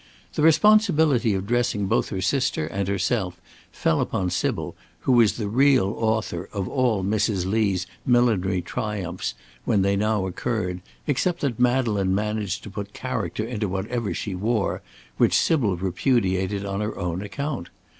The responsibility of dressing both her sister and herself fell upon Sybil, who was the real author of all Mrs. Lee's millinery triumphs when they now occurred, except that Madeleine managed to put character into whatever she wore, which Sybil repudiated on her own account.